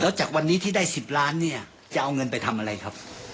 แล้วจากวันนี้ที่ได้๑๐ล้านเนี่ยจะเอาเงินไปทำอะไรครับ